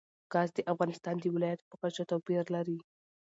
ګاز د افغانستان د ولایاتو په کچه توپیر لري.